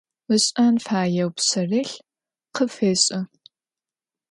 Iş'en faêu pşserılh khıfêş'ı.